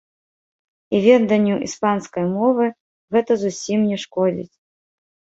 І веданню іспанскай мовы гэта зусім не шкодзіць!